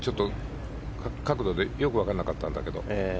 角度がよく分からなかったんだけど。